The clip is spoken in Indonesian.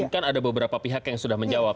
kan ada beberapa pihak yang sudah menjawab